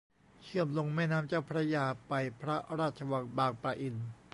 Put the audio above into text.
เชื่อมลงแม่น้ำเจ้าพระยาไปพระราชวังบางประอิน